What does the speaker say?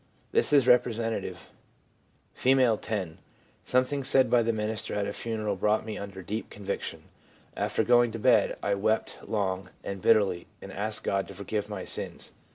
This is representative: F., 10. 'Some thing said by the minister at a funeral brought me under deep conviction. After going to bed I wept long and bitterly, and asked God to forgive my sins.